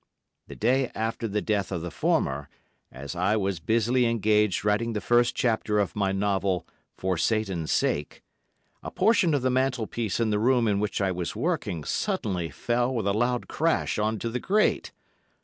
The day after the death of the former, as I was busily engaged writing the first chapter of my novel, "For Satan's Sake," a portion of the mantel piece in the room in which I was working suddenly fell with a loud crash on to the grate.